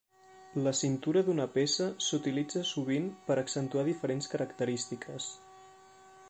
La cintura d'una peça s'utilitza sovint per accentuar diferents característiques.